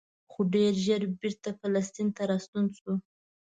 خو ډېر ژر بېرته فلسطین ته راستون شو.